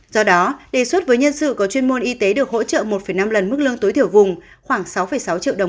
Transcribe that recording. do đó đề xuất với nhân sự có chuyên môn y tế được hỗ trợ một năm lần mức lương tối thiểu vùng khoảng sáu sáu triệu đồng